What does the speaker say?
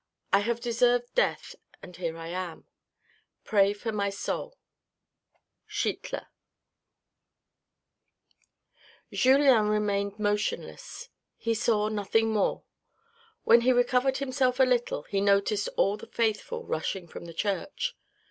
I have deserved death, and here I am. Pray for my soul. — Schiller Julien remained motionless. He saw nothing more. When he recovered himself a little he noticed all the faithful rushing from the church.